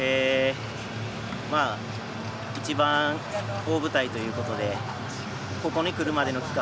一番大舞台ということでここにくるまでの期間